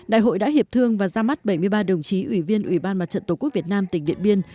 đại hội đã hiệp thương và ra mắt bảy mươi ba đồng chí ủy viên ủy ban mặt trận tổ quốc việt nam tỉnh điện biên